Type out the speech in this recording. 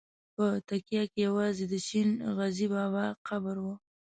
په تکیه کې یوازې د شین غزي بابا قبر و.